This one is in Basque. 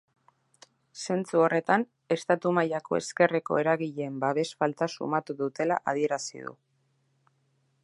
Zentzu horretan, estatu mailako ezkerreko eragileen babes falta sumatu dutela adierazi du.